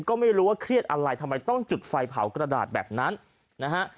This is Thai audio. ก็ไม่รู้ว่าเครียดอะไรทำไมต้องจุดไฟเผากระดาษแบบนั้นนะฮะ